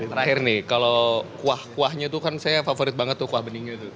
terakhir nih kalau kuah kuahnya tuh kan saya favorit banget tuh kuah beningnya tuh